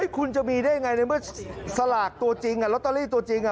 คุณจะมีได้ยังไงในเมื่อสลากตัวจริงลอตเตอรี่ตัวจริง